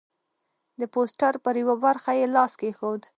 د پوسټر پر یوه برخه یې لاس کېښود.